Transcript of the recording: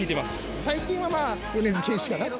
最近は米津玄師かな。